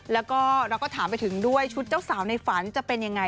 แล้วก็เราก็ถามไปถึงด้วยชุดเจ้าสาวในฝันจะเป็นยังไง